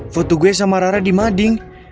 foto gue sama rara di mading